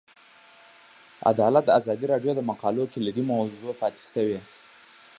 عدالت د ازادي راډیو د مقالو کلیدي موضوع پاتې شوی.